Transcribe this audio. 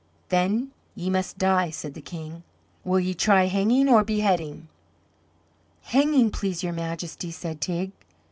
"Then ye must die," said the King. "Will ye try hanging or beheading?" "Hanging, please, your Majesty," said Teig.